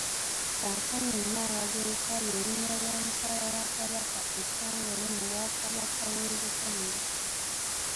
Kaakano Nnaabagereka lye linnya lya Mukyala wa Kabaka ettongole mu Bwakabaka bw'e Buganda.